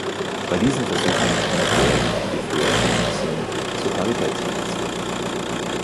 Bei diesen Versuchen lieferte er wichtige frühe Erkenntnisse zur Paritätsverletzung.